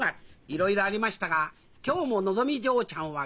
いろいろありましたが今日ものぞみ嬢ちゃんは元気です